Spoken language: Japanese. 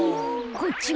こっちは？